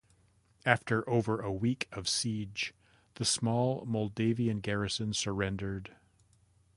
After over a week of siege, the small Moldavian garrison surrendered.